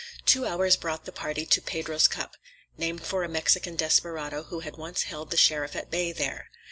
Two hours brought the party to Pedro's Cup, named for a Mexican desperado who had once held the sheriff at bay there.